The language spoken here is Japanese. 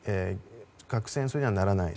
核戦争にはならない。